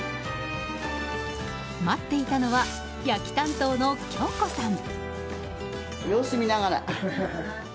待っていたのは焼き担当の京子さん。